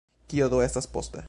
Kio do estas poste?